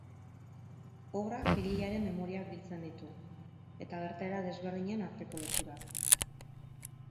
Obrak egilearen memoriak biltzen ditu eta gertaera desberdinen arteko loturak.